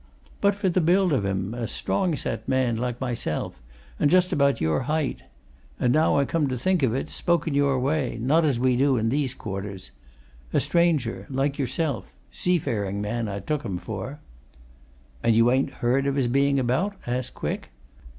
But, for the build of him, a strong set man, like myself, and just about your height. And now I come to think of it, spoke in your way not as we do in these quarters. A stranger like yourself. Seafaring man, I took him for." "And you ain't heard of his being about?" asked Quick.